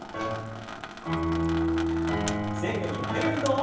前後に曲げる運動。